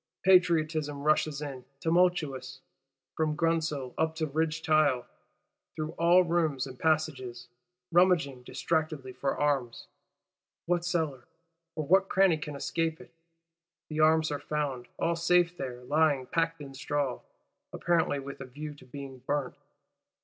Patriotism rushes in, tumultuous, from grundsel up to ridge tile, through all rooms and passages; rummaging distractedly for arms. What cellar, or what cranny can escape it? The arms are found; all safe there; lying packed in straw,—apparently with a view to being burnt!